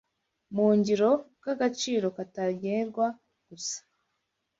mu ngiro bw’agaciro katagerwa gusa